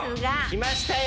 きましたよ！